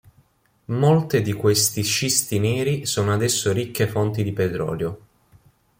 Molte di questi scisti neri sono adesso ricche fonti di petrolio.